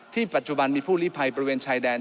ปัจจุบันมีผู้ลิภัยบริเวณชายแดน